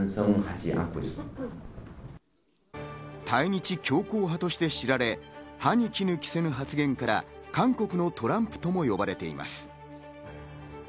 対日強硬派として知られ、歯にきぬ着せぬ発言から韓国のトランプとも呼ばれています。